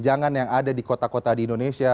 kemudian kegagalan yang ada di kota kota di indonesia